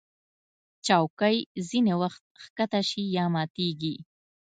چوکۍ ځینې وخت ښکته شي یا ماتېږي.